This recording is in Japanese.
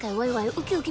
ウキウキ！